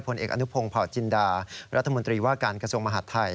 ผลเอกอนุพงศ์เผาจินดารัฐมนตรีว่าการกระทรวงมหาดไทย